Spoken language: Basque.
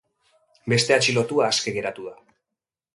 Beste atxilotua aske geratu da.